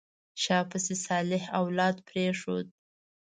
شا پسې صالح اولاد پرېښود.